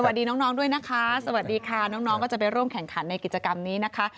สวัสดีน้องด้วยนะคะสวัสดีค่ะน้องก็จะไปร่วมแข่งขันในกิจกรรมนี้นะคะ